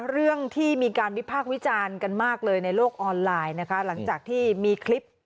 เรื่องที่มีการวิพากษ์วิจารณ์กันมากเลยในโลกออนไลน์นะคะหลังจากที่มีคลิป